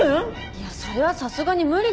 いやそれはさすがに無理ですね。